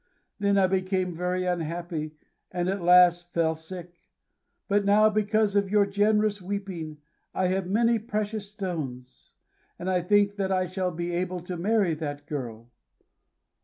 Then I became very unhappy, and at last fell sick. But now, because of your generous weeping, I have many precious stones; and I think that I shall be able to marry that girl.